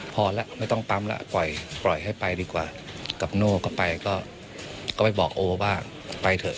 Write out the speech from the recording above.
พอแล้วไม่ต้องปั๊มแล้วปล่อยให้ไปดีกว่ากับโน่ก็ไปก็ไปบอกโอบ้างไปเถอะ